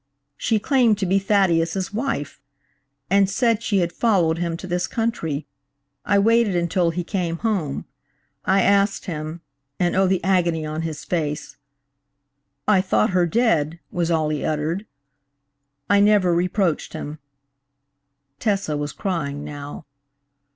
"She claimed to be Thaddeus' wife! and said she had followed him to this country. I waited until he came home. I asked him–and oh, the agony on his face! 'I thought her dead,' was all he uttered. I never reproached him." (Tessa was crying now.)